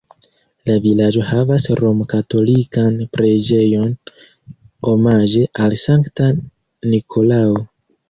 La vilaĝo havas romkatolikan preĝejon omaĝe al Sankta Nikolao.